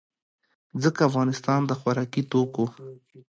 ځکه افغانستان د خوراکي توکو